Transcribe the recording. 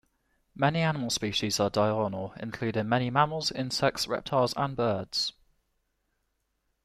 Many animal species are diurnal, including many mammals, insects, reptiles and birds.